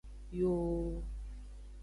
Yooo.